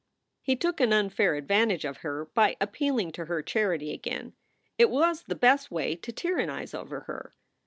He took an unfair advantage of her by appealing to her charity again. It was the best way to tyrannize over her.